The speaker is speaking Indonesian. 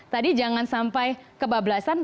tadi jangan sampai kebablasan